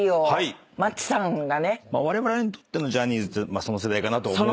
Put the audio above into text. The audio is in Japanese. われわれにとってのジャニーズその世代かなと思うんですけども。